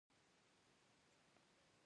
د هر سړي کار ماندۀ دی